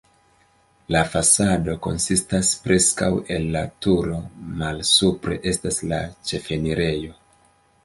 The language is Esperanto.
La fasado konsistas preskaŭ el la turo, malsupre estas la ĉefenirejo.